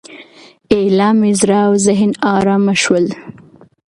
ایله مې زړه او ذهن ارامه شول.